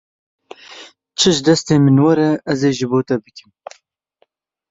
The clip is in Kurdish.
Çi ji destên min were ez ê ji bo te bikim.